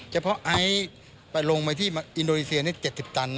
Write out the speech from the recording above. เฉพาะไอซ์ไปลงไปที่อินโดนีเซีย๗๐ตัน